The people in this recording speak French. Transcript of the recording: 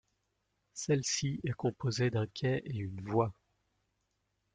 Celle-ci est composée d'un quai et une voie.